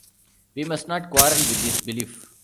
We must not quarrel with his belief.